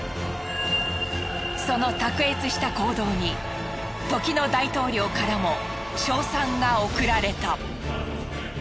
その卓越した行動に時の大統領からも賞賛が送られた。